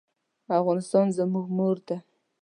افغانستان زموږ مور ده.